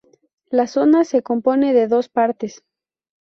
La zona se compone de dos partes.